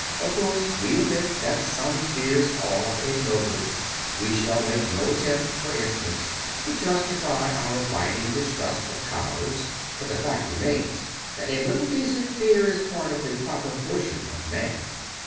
Of course, we admit that some fears are ignoble. We shall make no attempt, for instance, to justify our abiding distrust of cows, but the fact remains that a little decent fear is part of the proper portion of man.